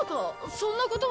そんなことは。